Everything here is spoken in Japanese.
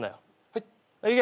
はい。